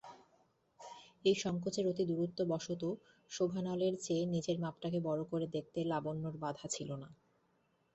এই সংকোচের অতিদূরত্ববশত শোভনলালের চেয়ে নিজের মাপটাকে বড়ো করে দেখতে লাবণ্যর বাধা ছিল না।